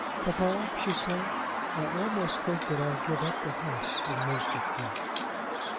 "Papa," she said, "I almost think that I'll give up the house in Munster Court."